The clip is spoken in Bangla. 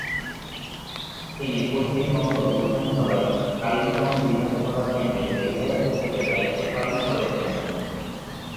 তিনি পশ্চিমবঙ্গ বিধানসভায় কালিম্পং বিধানসভা কেন্দ্রের বিধায়ক হিসেবে দায়িত্ব পালন করছেন।